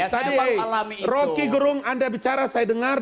tadi rocky gerung anda bicara saya dengar